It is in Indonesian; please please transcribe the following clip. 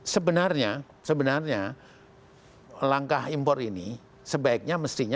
sebenarnya sebenarnya langkah impor ini sebaiknya mestinya